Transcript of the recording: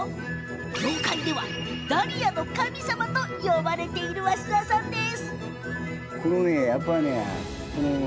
業界ではまさに、ダリアの神様と呼ばれているんです。